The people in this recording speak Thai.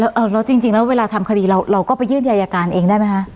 แล้วเอาเราจริงจริงแล้วเวลาทำคดีเราเราก็ไปยื่นที่อายการเองได้ไหมฮะ